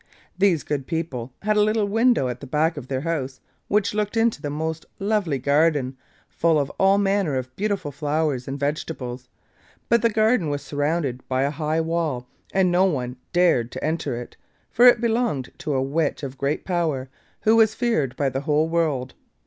These good people had a little window at the back of their house, which looked into the most lovely garden, full of all manner of beautiful flowers and vegetables; but the garden was surrounded by a high wall, and no one dared to enter it, for it belonged to a witch of great power, who was feared by the whole world.